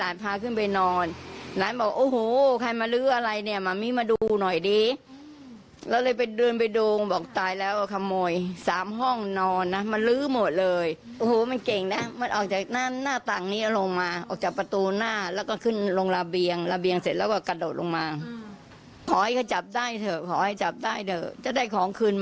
จะได้ของคืนมาก็ยังดีอ่ะใช่ไหม